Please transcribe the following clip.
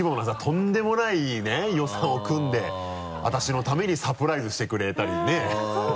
とんでもないね予算を組んで私のためにサプライズしてくれたりね